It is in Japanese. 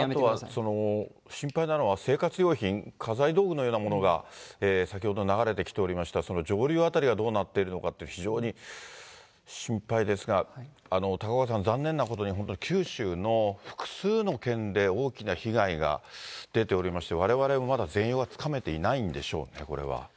あとは心配なのは、生活用品、家財道具のようなものが先ほど流れてきておりました、その上流辺りがどうなっているのかって、非常に心配ですが、高岡さん、残念なことに本当に九州の複数の県で大きな被害が出ておりまして、われわれもまだ全容がつかめていないんでしょうね、これは。